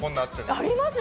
ありますよ。